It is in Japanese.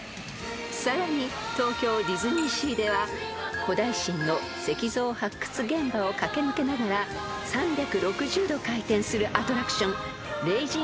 ［さらに東京ディズニーシーでは古代神の石像発掘現場を駆け抜けながら３６０度回転するアトラクション］